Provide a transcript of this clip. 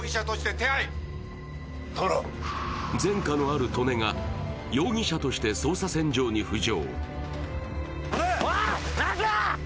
前科のある利根が容疑者として捜査線上に浮上。